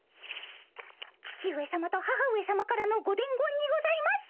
父上さまと母上さまからのご伝言にございます。